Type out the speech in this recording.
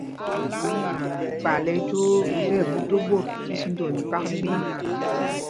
Ɛkpay lɛ ɛjwoo li tí ɛɓu do ɓot tí sī ndol mipak miná.